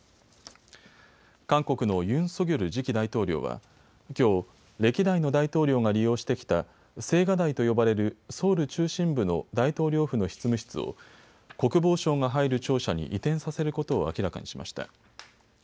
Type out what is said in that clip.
韓国のユン・ソギョル次期大統領はきょう、歴代の大統領が利用してきた青瓦台と呼ばれるソウル中心部の大統領府の執務室を国防省が入る庁舎に移転させることを明らかにしました。